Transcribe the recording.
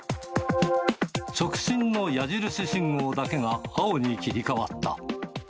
直進の矢印信号だけが青に切り替わった。